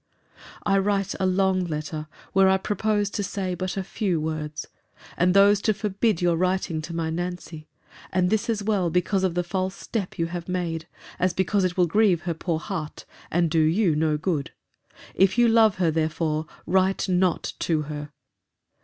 I write a long letter, where I proposed to say but a few words; and those to forbid your writing to my Nancy: and this as well because of the false step you have made, as because it will grieve her poor heart, and do you no good. If you love her, therefore, write not to her.